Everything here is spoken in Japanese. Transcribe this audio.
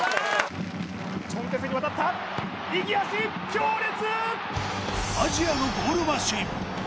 チョンテセに渡った右足強烈！